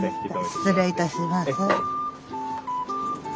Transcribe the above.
失礼いたします。